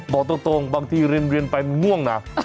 บอกตรงบางทีเรียนไปมันง่วงนะ